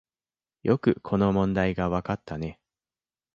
よくこの問題がわかったね